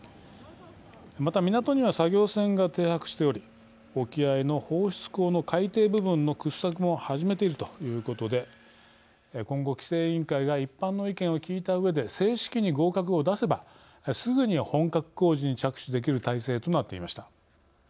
また港には作業船が停泊しており沖合の放出口の海底部分の掘削も始めているということで今後規制委員会が一般の意見を聞いたうえで正式に合格を出せばすぐに本格工事に着手できる態勢となっていました。